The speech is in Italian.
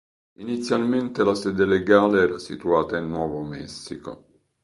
Inizialmente la sede legale era situata in Nuovo Messico.